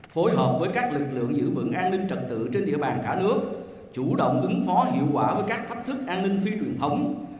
phối hợp với các lực lượng giữ vững an ninh trật tự trên địa bàn cả nước chủ động ứng phó hiệu quả với các thách thức an ninh phi truyền thống